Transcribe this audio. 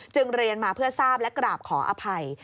เรียนมาเพื่อทราบและกราบขออภัย